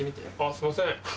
すいません。